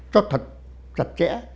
cho thật chặt chẽ